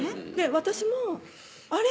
私もあれ？